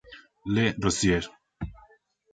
Le Rozier